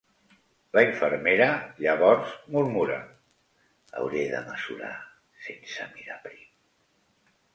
La infermera llavors murmura: "hauré de mesurar sense mirar prim".